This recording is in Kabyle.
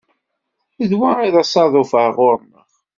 D wa i d asaḍuf ar ɣur-neɣ.